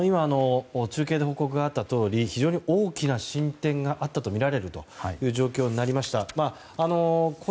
中継で報告があったとおり非常に大きな進展があったとみられるという状況になりました。